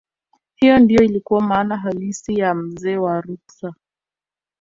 hiyo ndiyo ilikuwa maana halisi ya mzee wa ruksa